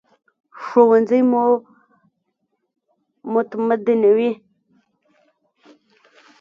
ښوونځی مو متمدنوي